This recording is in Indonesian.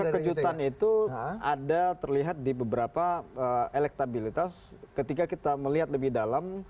kejutan itu ada terlihat di beberapa elektabilitas ketika kita melihat lebih dalam